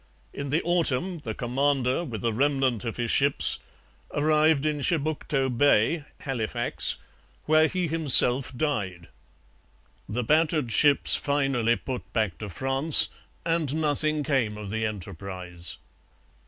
In the autumn the commander, with a remnant of his ships, arrived in Chebucto Bay (Halifax), where he himself died. The battered ships finally put back to France, and nothing came of the enterprise.